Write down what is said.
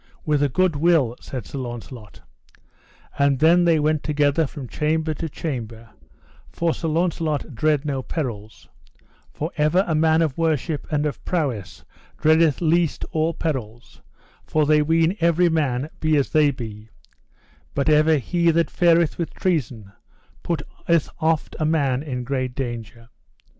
With a good will, said Sir Launcelot. And then they went together from chamber to chamber, for Sir Launcelot dread no perils; for ever a man of worship and of prowess dreadeth least always perils, for they ween every man be as they be; but ever he that fareth with treason putteth oft a man in great danger.